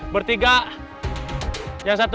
masih di pasar